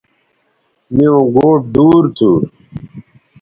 میوں گوٹ دور تھو